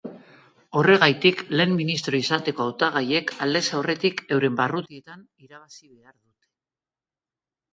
Horregatik, lehen ministro izateko hautagaiek aldez aurretik euren barrutietan irabazi behar dute.